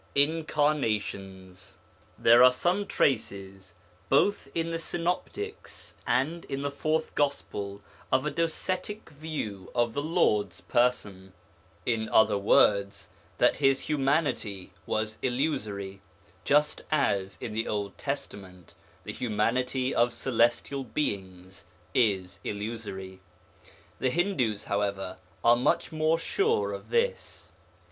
INCARNATIONS There are some traces both in the Synoptics and in the Fourth Gospel of a Docetic view of the Lord's Person, in other words that His humanity was illusory, just as, in the Old Testament, the humanity of celestial beings is illusory. The Hindus, however, are much more sure of this.